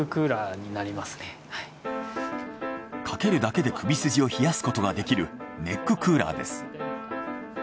かけるだけで首筋を冷やすことができるネッククーラーです。